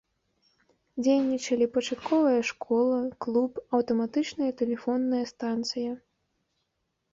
Дзейнічалі пачатковая школа, клуб, аўтаматычная тэлефонная станцыя.